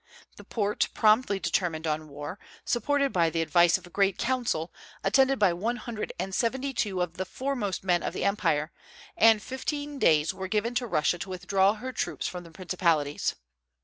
The Porte promptly determined on war, supported by the advice of a great Council, attended by one hundred and seventy two of the foremost men of the empire, and fifteen days were given to Russia to withdraw her troops from the principalities.